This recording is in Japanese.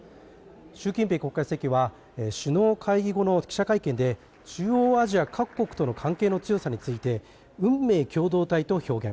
習近平国家主席は首脳会議後の記者会見で中央アジア各国との関係の強さについて、運命共同体と表現。